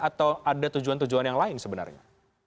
atau ada tujuan tujuan yang lain sebenarnya